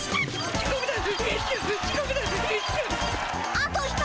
あと一人！